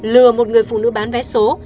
lừa một người phụ nữ bán vé số